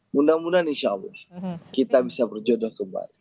mudah mudahan insya allah kita bisa berjodoh kembali